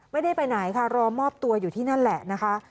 ไม่ได้ไปไหนค่ะรอมอบตัวอยู่ที่นั่นแหละนะคะ